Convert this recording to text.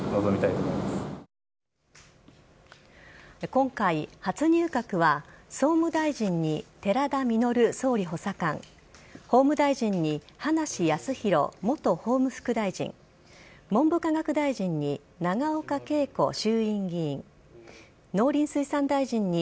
今回、初入閣は総務大臣に寺田稔総理補佐官法務大臣に葉梨康弘元法務大臣文部科学大臣に永岡桂子衆院議員農林水産大臣に